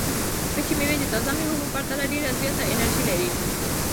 وچې مېوې د تازه مېوو په پرتله ډېره زیاته انرژي لري.